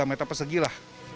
kita pesek gila